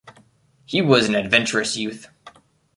He was an adventurous youth.